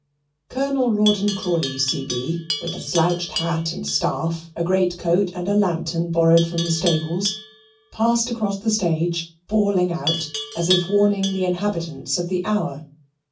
Colonel Rawdon Crawley, C.B., with a slouched hat and a staff, a great coat, and a lantern borrowed from the stables, passed across the stage bawling out, as if warning the inhabitants of the hour.